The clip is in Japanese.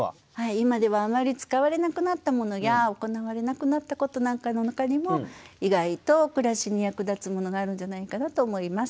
今ではあまり使われなくなったものや行われなくなったことなんかの中にも意外と暮らしに役立つものがあるんじゃないかなと思います。